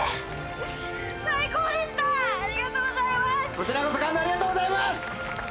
こちらこそ感動をありがとうございます！